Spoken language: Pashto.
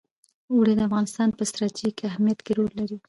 اوړي د افغانستان په ستراتیژیک اهمیت کې رول لري.